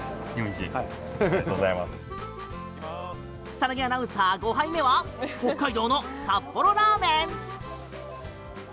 草薙アナウンサー、５杯目は北海道の札幌ラーメン！